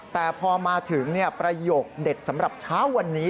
แต่พอมาถึงประโยคเด็ดสำหรับเช้าวันนี้